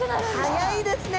速いですね。